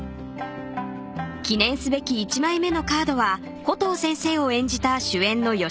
［記念すべき１枚目のカードはコトー先生を演じた主演の吉岡さんに］